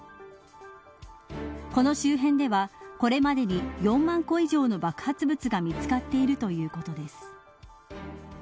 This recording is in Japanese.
この周辺ではこれまでに４万個以上の爆発物が見つかっているということです。